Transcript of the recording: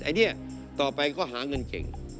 อันนี้ต่อไปก็หาเงินเก่ง